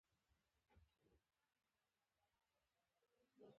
لکه زما په سترګو کې چي “ګوتهک چرچ” ویني